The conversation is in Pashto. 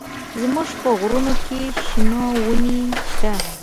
زموږ په غرونو کښې د شنو ونې سته.